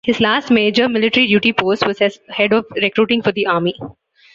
His last major military duty post was as head of recruiting for the Army.